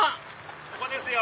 ここですよ！